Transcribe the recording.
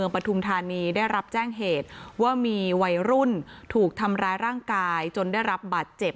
ปฐุมธานีได้รับแจ้งเหตุว่ามีวัยรุ่นถูกทำร้ายร่างกายจนได้รับบาดเจ็บ